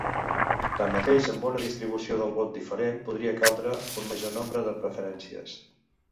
Tanmateix, amb una distribució del vot diferent podria caldre un major nombre de preferències.